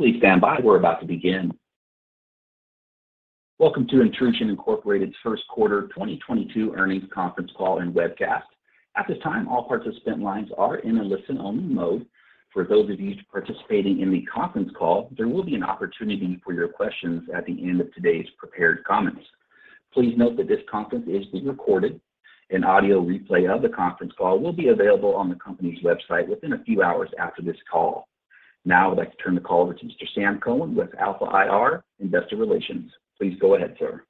Please stand by. We're about to begin. Welcome to Intrusion Incorporated's Q1, 2022 earnings conference call and webcast. At this time, all participant lines are in a listen-only mode. For those of you participating in the conference call, there will be an opportunity for your questions at the end of today's prepared comments. Please note that this conference is being recorded. An audio replay of the conference call will be available on the company's website within a few hours after this call. Now I'd like to turn the call over to Mr. Sam Cohen with Alpha IR Group. Please go ahead, sir.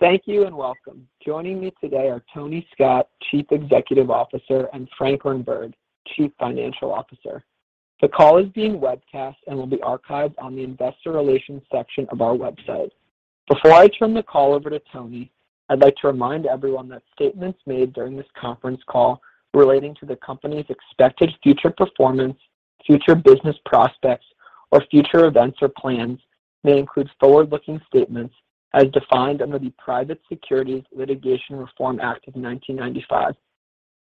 Thank you, and welcome. Joining me today are Tony Scott, Chief Executive Officer, and Franklin Byrd, Chief Financial Officer. The call is being webcast and will be archived on the investor relations section of our website. Before I turn the call over to Tony, I'd like to remind everyone that statements made during this conference call relating to the company's expected future performance, future business prospects, or future events or plans may include forward-looking statements as defined under the Private Securities Litigation Reform Act of 1995.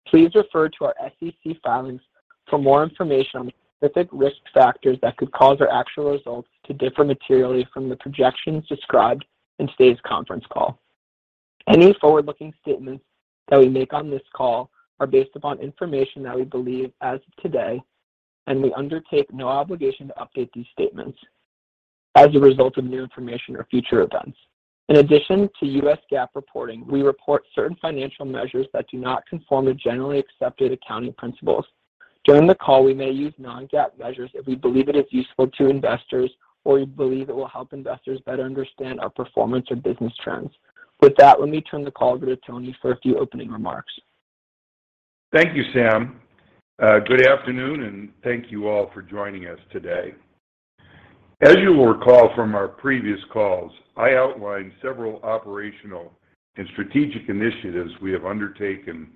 Please refer to our SEC filings for more information on specific risk factors that could cause our actual results to differ materially from the projections described in today's conference call. Any forward-looking statements that we make on this call are based upon information that we believe as of today, and we undertake no obligation to update these statements as a result of new information or future events. In addition to US GAAP reporting, we report certain financial measures that do not conform to generally accepted accounting principles. During the call, we may use non-GAAP measures if we believe it is useful to investors or we believe it will help investors better understand our performance or business trends. With that, let me turn the call over to Tony for a few opening remarks. Thank you, Sam. Good afternoon, and thank you all for joining us today. As you will recall from our previous calls, I outlined several operational and strategic initiatives we have undertaken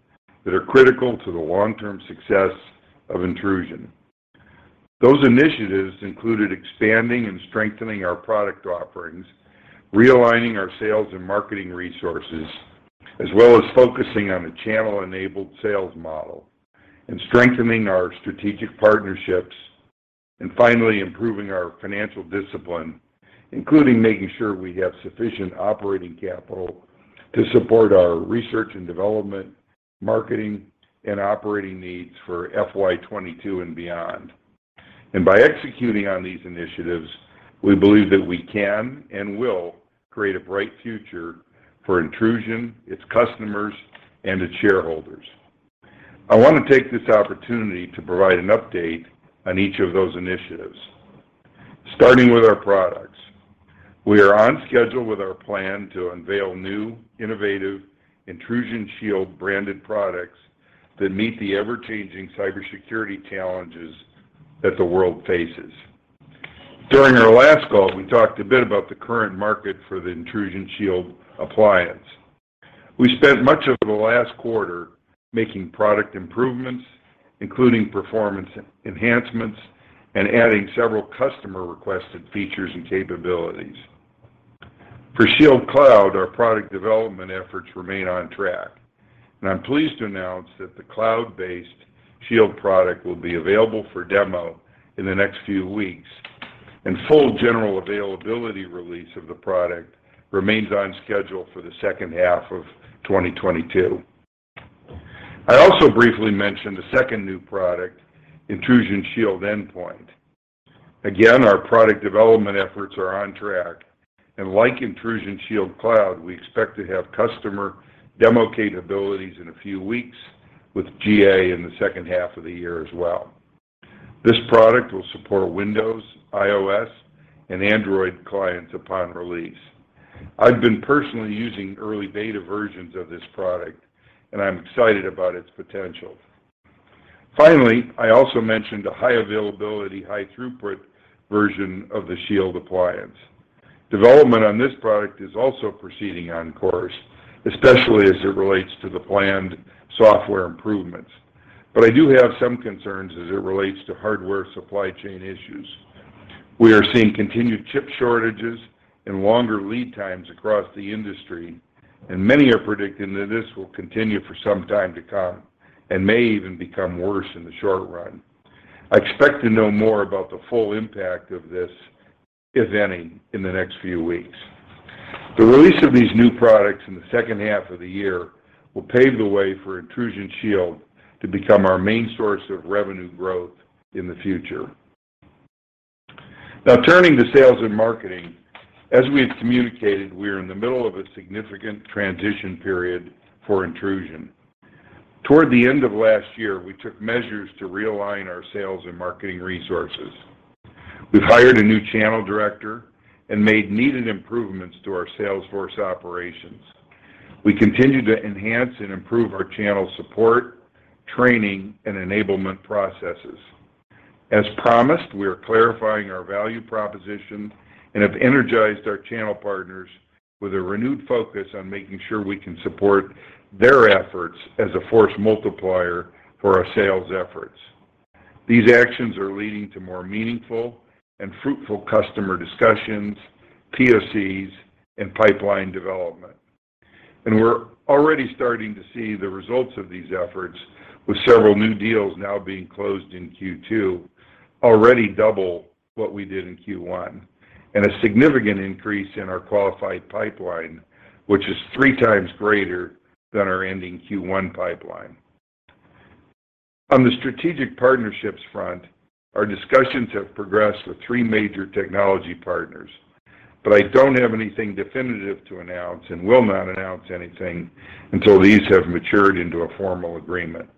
that are critical to the long-term success of Intrusion. Those initiatives included expanding and strengthening our product offerings, realigning our sales and marketing resources, as well as focusing on a channel-enabled sales model and strengthening our strategic partnerships. Finally, improving our financial discipline, including making sure we have sufficient operating capital to support our research and development, marketing, and operating needs for FY 22 and beyond. By executing on these initiatives, we believe that we can and will create a bright future for Intrusion, its customers, and its shareholders. I want to take this opportunity to provide an update on each of those initiatives. Starting with our products. We are on schedule with our plan to unveil new, innovative Intrusion Shield branded products that meet the ever-changing cybersecurity challenges that the world faces. During our last call, we talked a bit about the current market for the Intrusion Shield appliance. We spent much of the last quarter making product improvements, including performance enhancements and adding several customer-requested features and capabilities. For Shield Cloud, our product development efforts remain on track, and I'm pleased to announce that the cloud-based Shield product will be available for demo in the next few weeks, and full general availability release of the product remains on schedule for the second half of 2022. I also briefly mentioned a second new product, Intrusion Shield Endpoint. Again, our product development efforts are on track, and like Intrusion Shield Cloud, we expect to have customer demo capabilities in a few weeks with GA in the second half of the year as well. This product will support Windows, iOS, and Android clients upon release. I've been personally using early beta versions of this product, and I'm excited about its potential. Finally, I also mentioned a high availability, high throughput version of the Shield appliance. Development on this product is also proceeding on course, especially as it relates to the planned software improvements. I do have some concerns as it relates to hardware supply chain issues. We are seeing continued chip shortages and longer lead times across the industry, and many are predicting that this will continue for some time to come and may even become worse in the short run. I expect to know more about the full impact of this, if any, in the next few weeks. The release of these new products in the second half of the year will pave the way for Intrusion Shield to become our main source of revenue growth in the future. Now, turning to sales and marketing. As we have communicated, we are in the middle of a significant transition period for Intrusion. Toward the end of last year, we took measures to realign our sales and marketing resources. We've hired a new channel director and made needed improvements to our sales force operations. We continue to enhance and improve our channel support, training, and enablement processes. As promised, we are clarifying our value proposition and have energized our channel partners with a renewed focus on making sure we can support their efforts as a force multiplier for our sales efforts. These actions are leading to more meaningful and fruitful customer discussions, POCs, and pipeline development. We're already starting to see the results of these efforts with several new deals now being closed in Q2, already double what we did in Q1, and a significant increase in our qualified pipeline, which is three times greater than our ending Q1 pipeline. On the strategic partnerships front, our discussions have progressed with three major technology partners, but I don't have anything definitive to announce and will not announce anything until these have matured into a formal agreement.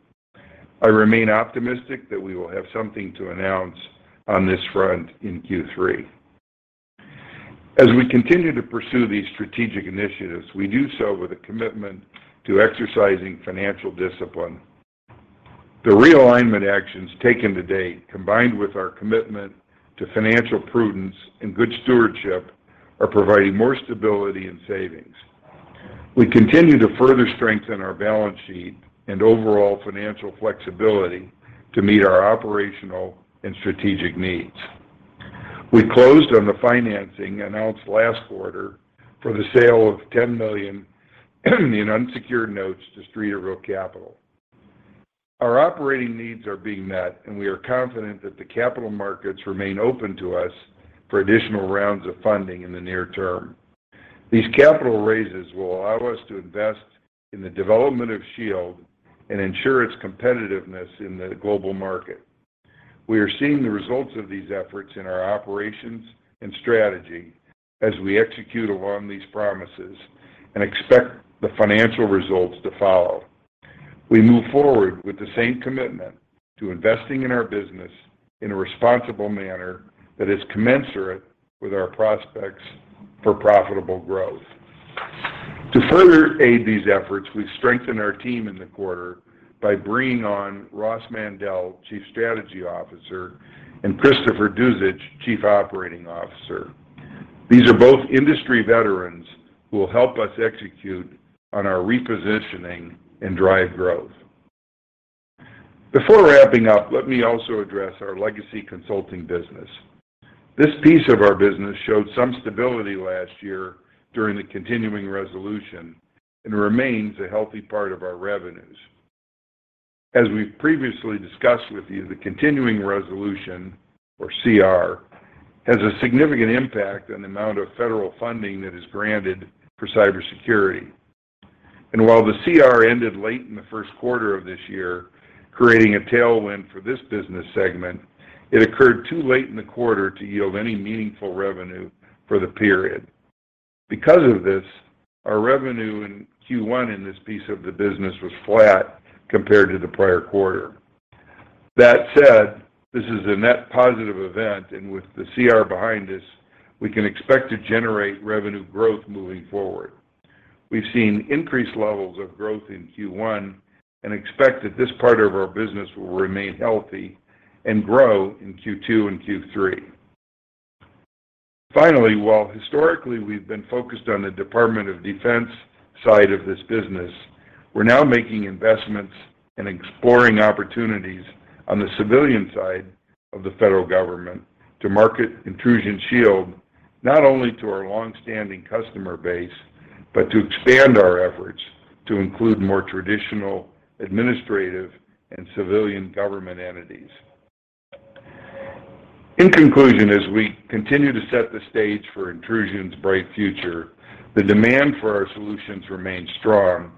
I remain optimistic that we will have something to announce on this front in Q3. As we continue to pursue these strategic initiatives, we do so with a commitment to exercising financial discipline. The realignment actions taken to date, combined with our commitment to financial prudence and good stewardship, are providing more stability and savings. We continue to further strengthen our balance sheet and overall financial flexibility to meet our operational and strategic needs. We closed on the financing announced last quarter for the sale of $10 million in unsecured notes to Streeterville Capital. Our operating needs are being met, and we are confident that the capital markets remain open to us for additional rounds of funding in the near term. These capital raises will allow us to invest in the development of Shield and ensure its competitiveness in the global market. We are seeing the results of these efforts in our operations and strategy as we execute along these promises and expect the financial results to follow. We move forward with the same commitment to investing in our business in a responsible manner that is commensurate with our prospects for profitable growth. To further aid these efforts, we've strengthened our team in the quarter by bringing on Ross Mandel, Chief Strategy Officer, and Christopher Duzich, Chief Operating Officer. These are both industry veterans who will help us execute on our repositioning and drive growth. Before wrapping up, let me also address our legacy consulting business. This piece of our business showed some stability last year during the continuing resolution and remains a healthy part of our revenues. As we've previously discussed with you, the continuing resolution, or CR, has a significant impact on the amount of federal funding that is granted for cybersecurity. While the CR ended late in the Q1 of this year, creating a tailwind for this business segment, it occurred too late in the quarter to yield any meaningful revenue for the period. Because of this, our revenue in Q1 in this piece of the business was flat compared to the prior quarter. That said, this is a net positive event, and with the CR behind us, we can expect to generate revenue growth moving forward. We've seen increased levels of growth in Q1 and expect that this part of our business will remain healthy and grow in Q2 and Q3. Finally, while historically we've been focused on the Department of Defense side of this business, we're now making investments and exploring opportunities on the civilian side of the federal government to market Intrusion Shield not only to our long-standing customer base, but to expand our efforts to include more traditional, administrative, and civilian government entities. In conclusion, as we continue to set the stage for Intrusion's bright future, the demand for our solutions remains strong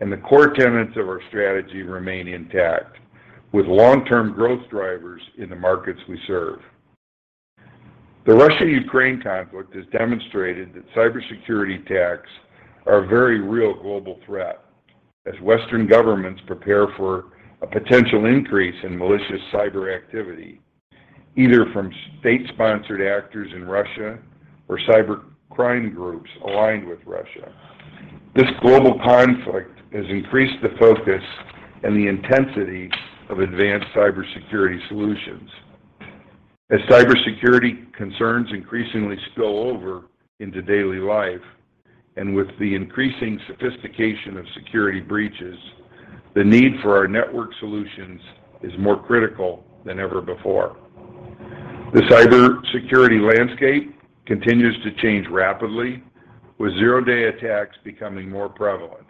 and the core tenets of our strategy remain intact with long-term growth drivers in the markets we serve. The Russia-Ukraine conflict has demonstrated that cybersecurity attacks are a very real global threat as Western governments prepare for a potential increase in malicious cyber activity, either from state-sponsored actors in Russia or cybercrime groups aligned with Russia. This global conflict has increased the focus and the intensity of advanced cybersecurity solutions. As cybersecurity concerns increasingly spill over into daily life, and with the increasing sophistication of security breaches, the need for our network solutions is more critical than ever before. The cybersecurity landscape continues to change rapidly, with zero-day attacks becoming more prevalent.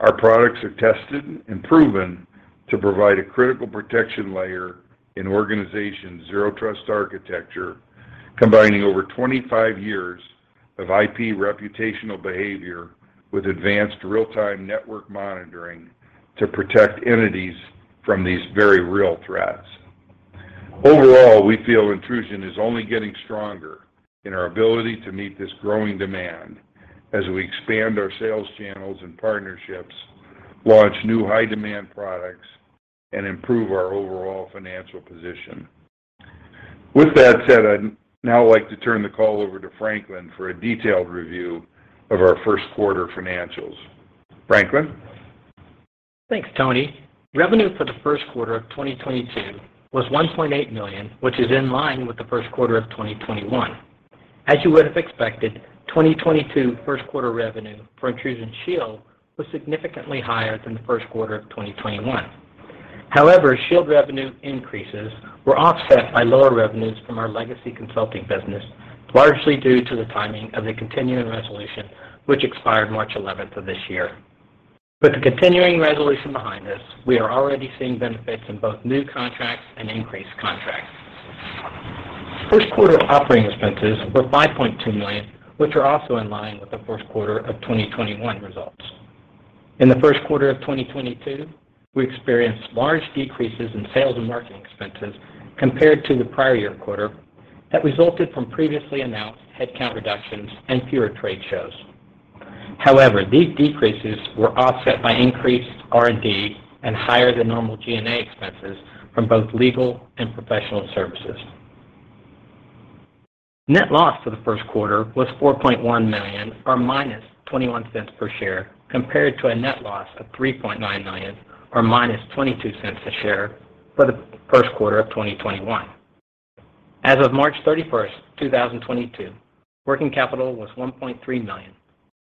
Our products are tested and proven to provide a critical protection layer in organization zero trust architecture, combining over 25 years of IP reputational behavior with advanced real-time network monitoring to protect entities from these very real threats. Overall, we feel Intrusion is only getting stronger in our ability to meet this growing demand as we expand our sales channels and partnerships, launch new high demand products, and improve our overall financial position. With that said, I'd now like to turn the call over to Franklin for a detailed review of our Q1 financials. Franklin? Thanks, Tony. Revenue for the Q1 of 2022 was $1.8 million, which is in line with the Q1 of 2021. As you would have expected, 2022 Q1 revenue for Intrusion Shield was significantly higher than the Q1 of 2021. However, Shield revenue increases were offset by lower revenues from our legacy consulting business, largely due to the timing of the continuing resolution which expired March 11 of this year. With the continuing resolution behind us, we are already seeing benefits in both new contracts and increased contracts. Q1 operating expenses were $5.2 million, which are also in line with the Q1 of 2021 results. In theQ1 of 2022, we experienced large decreases in sales and marketing expenses compared to the prior year quarter that resulted from previously announced headcount reductions and fewer trade shows. However, these decreases were offset by increased R&D and higher than normal G&A expenses from both legal and professional services. Net loss for the Q1 was $4.1 million or -$0.21 per share, compared to a net loss of $3.9 million or -$0.22 per share for the Q1 of 2021. As of March 31, 2022, working capital was $1.3 million,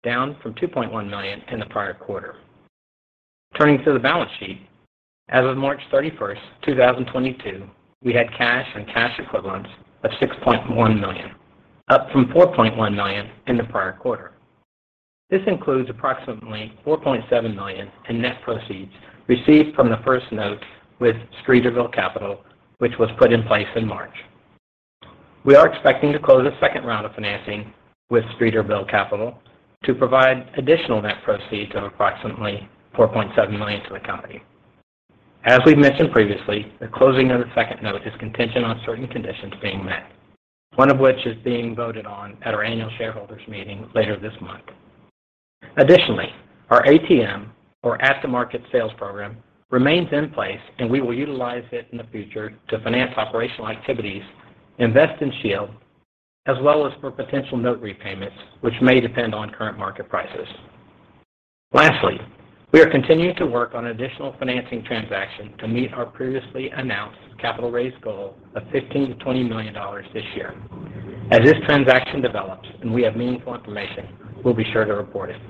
down from $2.1 million in the prior quarter. Turning to the balance sheet, as of March 31, 2022, we had cash and cash equivalents of $6.1 million, up from $4.1 million in the prior quarter. This includes approximately $4.7 million in net proceeds received from the first note with Streeterville Capital, which was put in place in March. We are expecting to close a second round of financing with Streeterville Capital to provide additional net proceeds of approximately $4.7 million to the company. As we've mentioned previously, the closing of the second note is contingent on certain conditions being met, one of which is being voted on at our annual shareholders meeting later this month. Additionally, our ATM or at-the-market sales program remains in place, and we will utilize it in the future to finance operational activities, invest in Shield, as well as for potential note repayments, which may depend on current market prices. Lastly, we are continuing to work on additional financing transaction to meet our previously announced capital raise goal of $15-$20 million this year. As this transaction develops and we have meaningful information, we'll be sure to report it.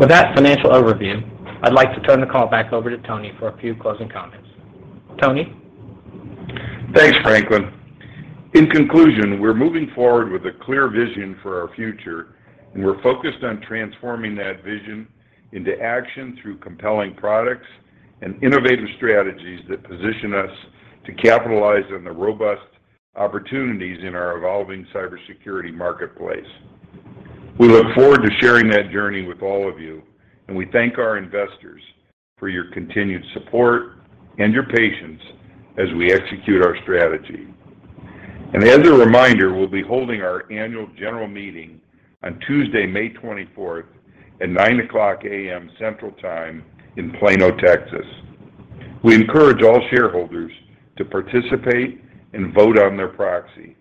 With that financial overview, I'd like to turn the call back over to Tony for a few closing comments. Tony? Thanks, Franklin. In conclusion, we're moving forward with a clear vision for our future, and we're focused on transforming that vision into action through compelling products and innovative strategies that position us to capitalize on the robust opportunities in our evolving cybersecurity marketplace. We look forward to sharing that journey with all of you, and we thank our investors for your continued support and your patience as we execute our strategy. As a reminder, we'll be holding our annual general meeting on Tuesday, May 24th at 9:00 A.M. Central Time in Plano, Texas. We encourage all shareholders to participate and vote on their proxy.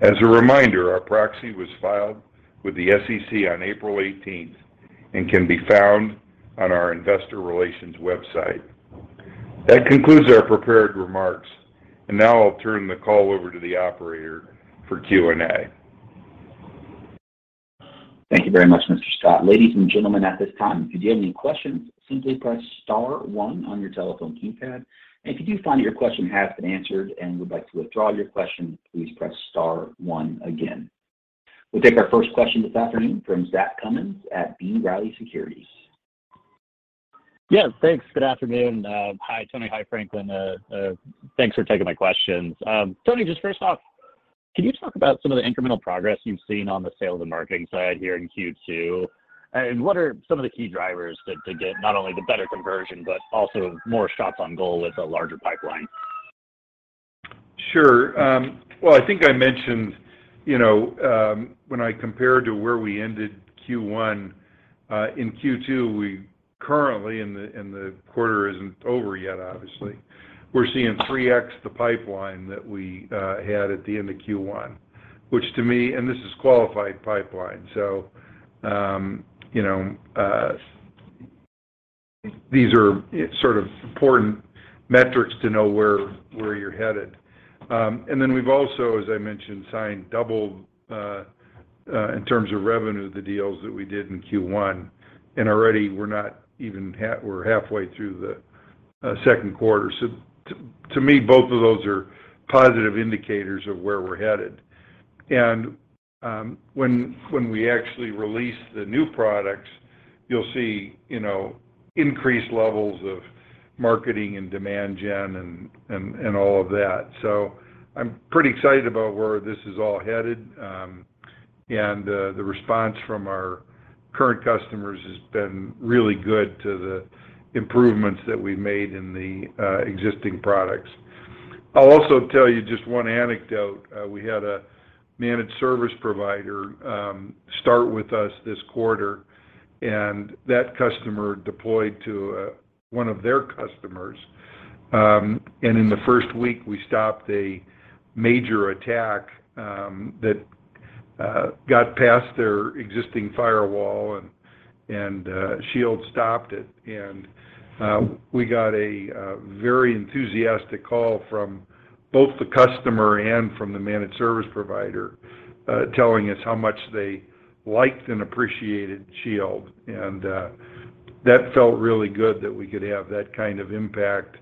As a reminder, our proxy was filed with the SEC on April 18th and can be found on our investor relations website. That concludes our prepared remarks, and now I'll turn the call over to the operator for Q&A. Thank you very much, Mr. Scott. Ladies and gentlemen, at this time, if you do have any questions, simply press star one on your telephone keypad. If you do find that your question has been answered and would like to withdraw your question, please press star one again. We'll take our first question this afternoon from Zach Cummins at B. Riley Securities. Yes, thanks. Good afternoon. Hi, Tony. Hi, Franklin. Thanks for taking my questions. Tony, just first off, can you talk about some of the incremental progress you've seen on the sales and marketing side here in Q2? What are some of the key drivers to get not only the better conversion, but also more shots on goal with a larger pipeline? Sure. Well, I think I mentioned, you know, when I compared to where we ended Q1, in Q2, we currently, the quarter isn't over yet, obviously, we're seeing 3x the pipeline that we had at the end of Q1, which to me. This is qualified pipeline. You know, these are sort of important metrics to know where you're headed. Then we've also, as I mentioned, signed double in terms of revenue, the deals that we did in Q1, and already we're not even halfway through the Q2. To me, both of those are positive indicators of where we're headed. When we actually release the new products, you'll see, you know, increased levels of marketing and demand gen and all of that. I'm pretty excited about where this is all headed. The response from our current customers has been really good to the improvements that we've made in the existing products. I'll also tell you just one anecdote. We had a managed service provider start with us this quarter, and that customer deployed to one of their customers. In the first week, we stopped a major attack that got past their existing firewall and Shield stopped it. We got a very enthusiastic call from both the customer and from the managed service provider telling us how much they liked and appreciated Shield. That felt really good that we could have that kind of impact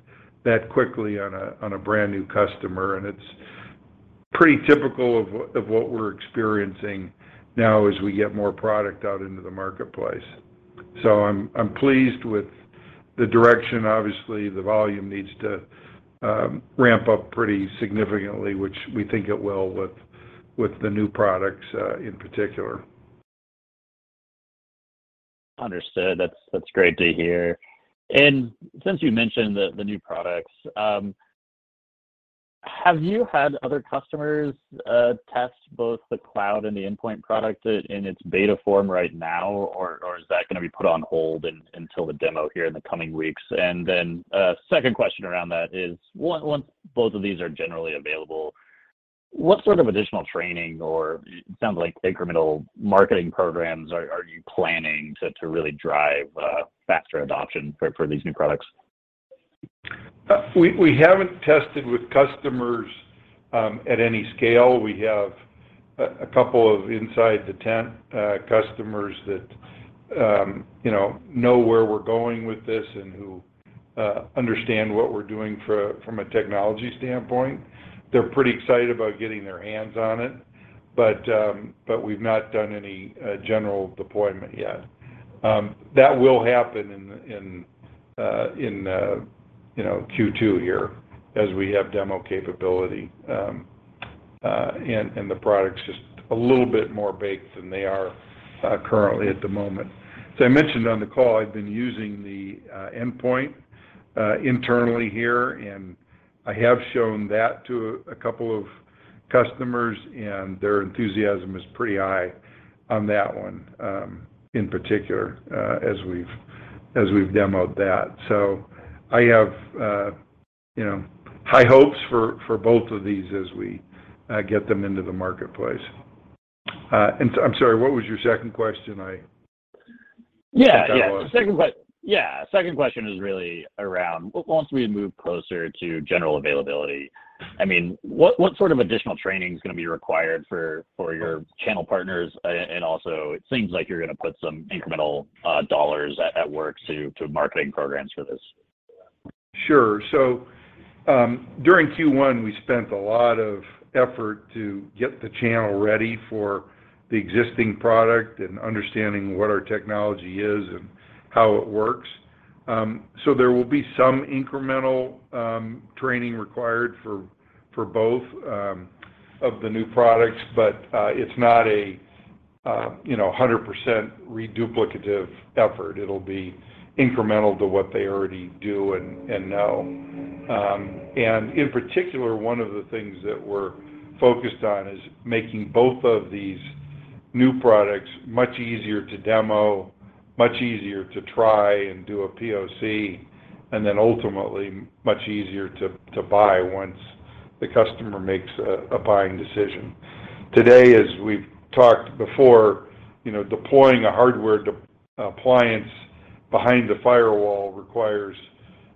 that quickly on a brand new customer, and it's pretty typical of what we're experiencing now as we get more product out into the marketplace. I'm pleased with the direction. Obviously, the volume needs to ramp up pretty significantly, which we think it will with the new products in particular. Understood. That's great to hear. Since you mentioned the new products, have you had other customers test both the cloud and the endpoint product in its beta form right now, or is that gonna be put on hold until the demo here in the coming weeks? Second question around that is, once both of these are generally available, what sort of additional training or it sounds like incremental marketing programs are you planning to really drive faster adoption for these new products? We haven't tested with customers at any scale. We have a couple of inside the tent customers that you know know where we're going with this and who understand what we're doing from a technology standpoint. They're pretty excited about getting their hands on it, but we've not done any general deployment yet. That will happen in you know Q2 here as we have demo capability and the products just a little bit more baked than they are currently at the moment. As I mentioned on the call, I've been using the endpoint internally here, and I have shown that to a couple of customers, and their enthusiasm is pretty high on that one in particular as we've demoed that. I have, you know, high hopes for both of these as we get them into the marketplace. I'm sorry, what was your second question? I Yeah. Yeah. Got lost. The second Yeah. Second question is really around once we move closer to general availability, I mean, what sort of additional training is gonna be required for your channel partners. Also, it seems like you're gonna put some incremental dollars at work to marketing programs for this. Sure. During Q1, we spent a lot of effort to get the channel ready for the existing product and understanding what our technology is and how it works. There will be some incremental training required for both of the new products, but it's not a you know, a hundred percent duplicative effort. It'll be incremental to what they already do and know. In particular, one of the things that we're focused on is making both of these new products much easier to demo, much easier to try and do a POC, and then ultimately much easier to buy once the customer makes a buying decision. Today, as we've talked before, you know, deploying a hardware appliance behind the firewall requires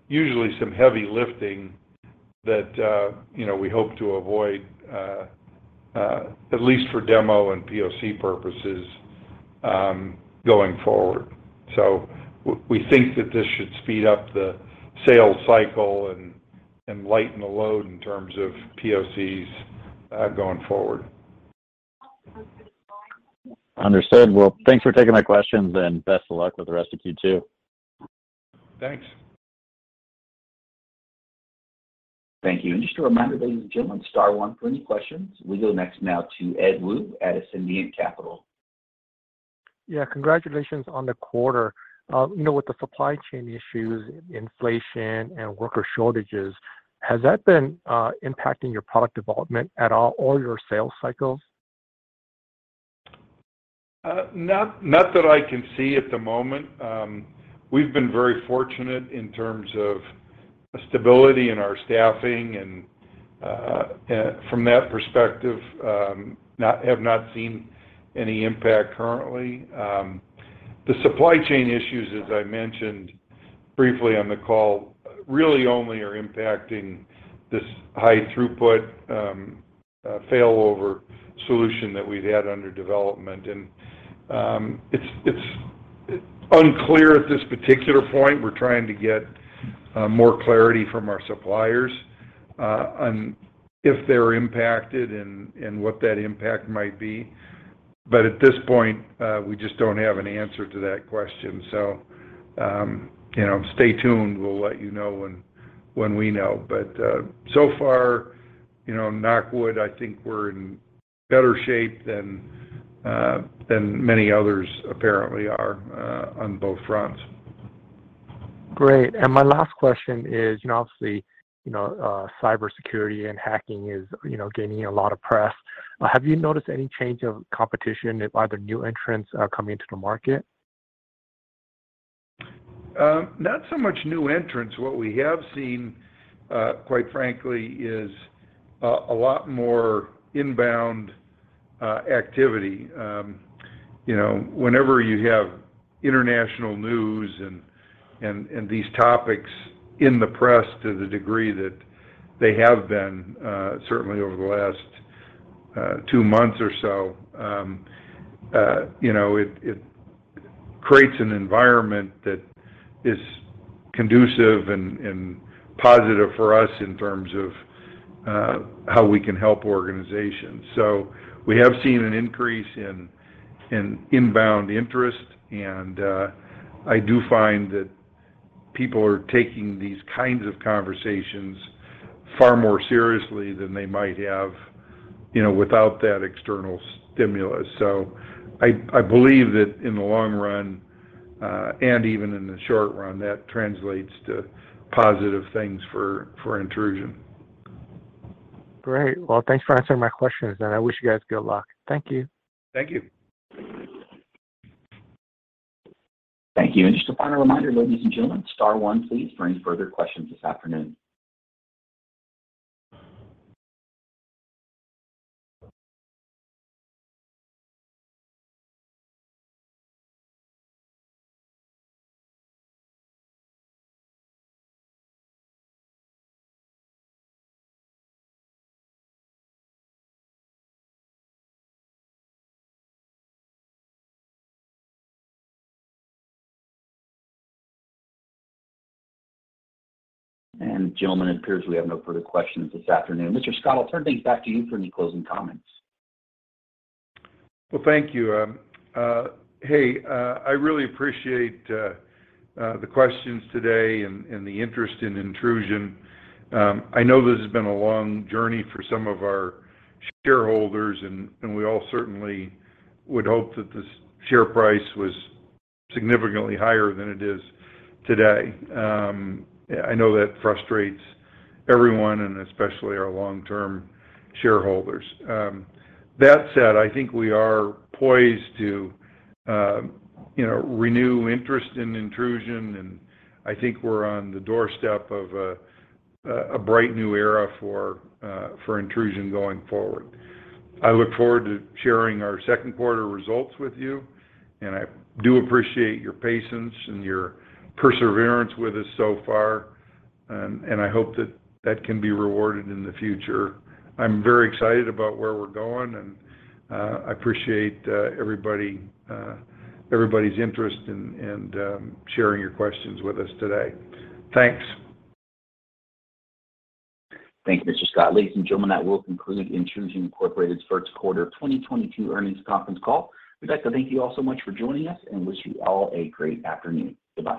usually some heavy lifting that, you know, we hope to avoid, at least for demo and POC purposes, going forward. We think that this should speed up the sales cycle and lighten the load in terms of POCs, going forward. Understood. Well, thanks for taking my questions, and best of luck with the rest of Q2. Thanks. Thank you. Just a reminder, ladies and gentlemen, star one for any questions. We go next now to Ed Woo at Ascendiant Capital. Yeah. Congratulations on the quarter. You know, with the supply chain issues, inflation, and worker shortages, has that been impacting your product development at all or your sales cycles? Not that I can see at the moment. We've been very fortunate in terms of stability in our staffing, and from that perspective, have not seen any impact currently. The supply chain issues, as I mentioned briefly on the call, really only are impacting this high throughput failover solution that we've had under development. It's unclear at this particular point. We're trying to get more clarity from our suppliers on if they're impacted and what that impact might be. At this point, we just don't have an answer to that question. You know, stay tuned. We'll let you know when we know. So far, you know, knock on wood, I think we're in better shape than many others apparently are on both fronts. Great. My last question is, you know, obviously, you know, cybersecurity and hacking is, you know, gaining a lot of press. Have you noticed any change of competition if other new entrants are coming into the market? Not so much new entrants. What we have seen, quite frankly, is a lot more inbound activity. You know, whenever you have international news and these topics in the press to the degree that they have been, certainly over the last two months or so, you know, it creates an environment that is conducive and positive for us in terms of how we can help organizations. We have seen an increase in inbound interest, and I do find that people are taking these kinds of conversations far more seriously than they might have, you know, without that external stimulus. I believe that in the long run and even in the short run, that translates to positive things for Intrusion. Great. Well, thanks for answering my questions, and I wish you guys good luck. Thank you. Thank you. Thank you. Just a final reminder, ladies and gentlemen, star one please for any further questions this afternoon. Gentlemen, it appears we have no further questions this afternoon. Mr. Scott, I'll turn things back to you for any closing comments. Well, thank you. Hey, I really appreciate the questions today and the interest in Intrusion. I know this has been a long journey for some of our shareholders, and we all certainly would hope that the share price was significantly higher than it is today. I know that frustrates everyone and especially our long-term shareholders. That said, I think we are poised to, you know, renew interest in Intrusion, and I think we're on the doorstep of a bright new era for Intrusion going forward. I look forward to sharing our Q2 results with you, and I do appreciate your patience and your perseverance with us so far, and I hope that that can be rewarded in the future. I'm very excited about where we're going, and I appreciate everybody's interest and sharing your questions with us today. Thanks. Thank you, Mr. Scott. Ladies and gentlemen, that will conclude Intrusion Inc.'s Q1 2022 earnings conference call. We'd like to thank you all so much for joining us and wish you all a great afternoon. Goodbye.